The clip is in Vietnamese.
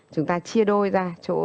chúng ta chia đôi ra